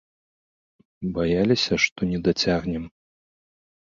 Баяліся, што не дацягнем.